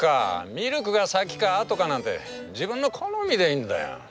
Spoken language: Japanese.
ミルクが先か後かなんて自分の好みでいいんだよ。